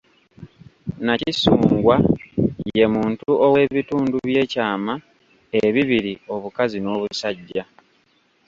Nakisungwa ye muntu ow’ebItundu by’ekyama ebibiri, obukazi n’obusajja.